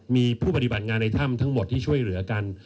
มีผู้ปฏิบัติงานในถ้ำทั้งหมดที่ช่วยเหลือกัน